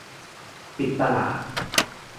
ปิดตลาด